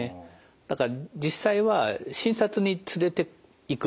だから実際は診察に連れていく。